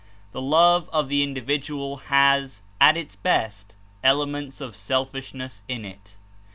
The love of the individual has, at its best, elements of selfishness in it.